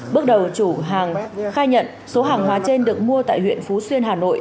bước đầu chủ hàng khai nhận số hàng hóa trên được mua tại huyện phú xuyên hà nội